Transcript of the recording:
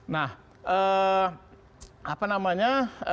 nah apa namanya